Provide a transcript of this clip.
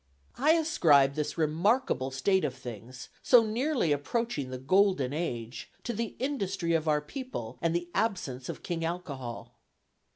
I ascribe this remarkable state of things, so nearly approaching the golden age, to the industry of our people, and the absence of King Alcohol.